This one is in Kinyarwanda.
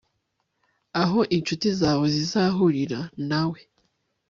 aho inshuti zawe zizahurira nawe